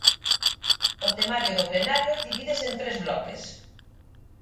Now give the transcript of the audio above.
O temario do plenario divídese en tres bloques.